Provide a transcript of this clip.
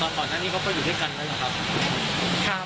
ตอนนั้นนี่เขาก็อยู่ด้วยกันแล้วนะครับ